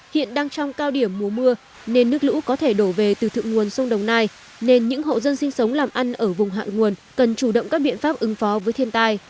hiện đang trong cao điểm mùa mưa nên nước lũ có thể đổ về từ thượng nguồn sông đồng nai nên những hộ dân sinh sống làm ăn ở vùng hạ nguồn cần chủ động các biện pháp ứng phó với thiên tai